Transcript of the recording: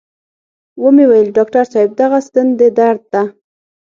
و مې ويل ډاکتر صاحب دغه ستن د درد ده.